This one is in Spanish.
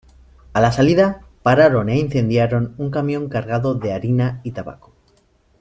A la salida, pararon e incendiaron un camión cargado de harina y tabaco.